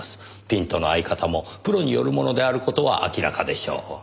ピントの合い方もプロによるものである事は明らかでしょう。